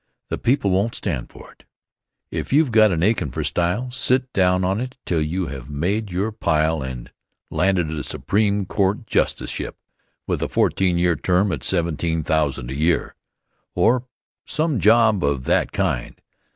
The people won't stand for it. If you've got an achin' for style, sit down on it till you have made your pile and landed a Supreme Court Justiceship with a fourteen year term at $17,000 a year, or some job of that kind.